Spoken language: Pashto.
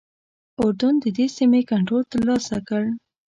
اردن ددې سیمې کنټرول ترلاسه کړ.